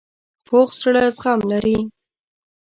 پوخ زړه زغم لري